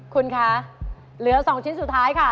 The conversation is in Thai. คุณคะเหลือ๒ชิ้นสุดท้ายค่ะ